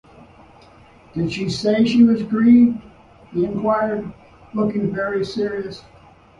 ‘Did she say she was grieved?’ he inquired, looking very serious.